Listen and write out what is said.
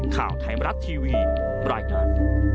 ข่าวไทยมรัฐทีวีบรรยากาศ